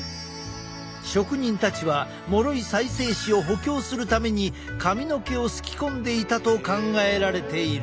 職人たちはもろい再生紙を補強するために髪の毛をすきこんでいたと考えられている。